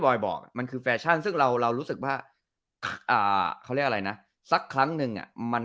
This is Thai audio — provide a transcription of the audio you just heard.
อยบอกมันคือแฟชั่นซึ่งเราเรารู้สึกว่าอ่าเขาเรียกอะไรนะสักครั้งหนึ่งอ่ะมัน